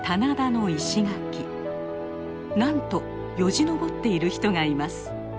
なんとよじ登っている人がいます。